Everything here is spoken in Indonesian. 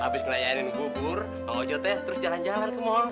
abis melayani gubur mau ojot deh terus jalan jalan ke mall